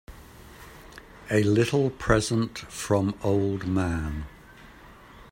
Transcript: A little present from old man.